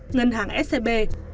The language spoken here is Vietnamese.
ngân hàng scb